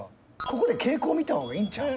ここで傾向見た方がいいんちゃう。